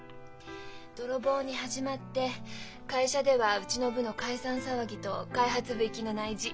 泥棒に始まって会社ではうちの部の解散騒ぎと開発部行きの内示。